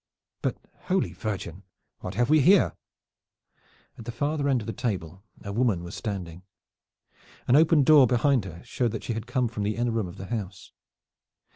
But, Holy Virgin, what have we here?" At the farther end of the table a woman was standing. An open door behind her showed that she had come from the inner room of the house.